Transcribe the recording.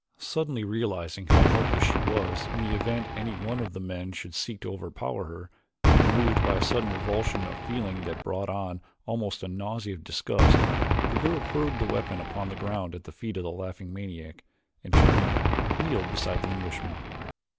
Suddenly realizing how helpless she was in the event any one of the men should seek to overpower her, and moved by a sudden revulsion of feeling that brought on almost a nausea of disgust, the girl hurled the weapon upon the ground at the feet of the laughing maniac and, turning, kneeled beside the Englishman.